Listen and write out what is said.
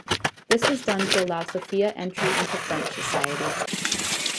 This was done to allow Sophia entry into French society.